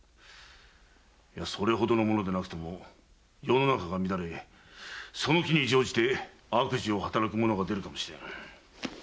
いやそれほどのものでなくとも世の中が乱れその機に乗じて悪事を働く者が出るかもしれぬ。